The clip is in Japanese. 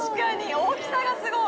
大きさがすごい！